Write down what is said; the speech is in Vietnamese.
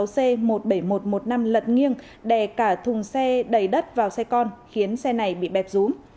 xe ô tô con ba mươi sáu c một mươi bảy nghìn một trăm một mươi năm lật nghiêng đè cả thùng xe đầy đất vào xe con khiến xe này bị bẹp rúm